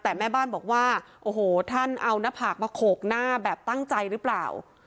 แต่แม่บ้านบอกว่าโอ้โหท่านเอาหน้าผากมาโขกหน้าแบบตั้งใจหรือเปล่า